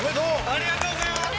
ありがとうございます。